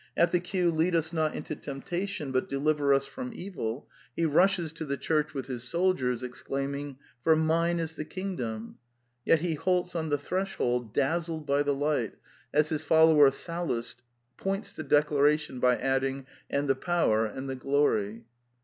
At the cue '' Lead us The Plays 73 not into temptation ; but deliver us from evil " he rushes to the church with his soldiers, exdaiming " For mine is the kingdom." Yet he halts on the threshold, dazzled by the light, as his follower Sallust points the declaration by adding, *' and the power, and the glory."